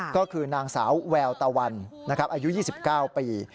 ก็คือนางสาวแววตะวันอายุ๒๙ปี